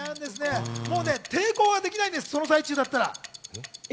もう抵抗ができないんです、その最中だったら。